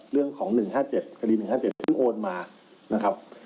เรื่องของ๑๕๗คดี๑๕๗เพิ่งโอนมานะครับ